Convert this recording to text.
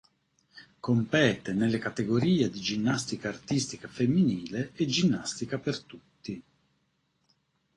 Compete nelle categorie di ginnastica artistica femminile e Ginnastica per tutti.